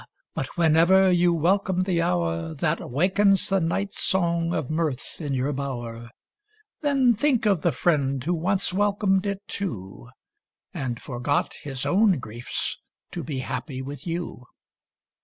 — but whenever you welcome the hour That awakens the night song of mirth in your bower, MOORE 34 T Then think of the friend who once welcomed it too, And forgot his own griefs to be happy with you.